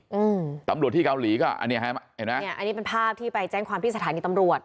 อืมตำรวจที่เกาหลีก็อันเนี้ยฮะเห็นไหมเนี้ยอันนี้เป็นภาพที่ไปแจ้งความที่สถานีตำรวจ